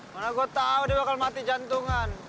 mana gue tahu dia bakal mati jantungan